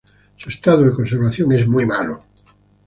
Su estado de conservación es muy malo.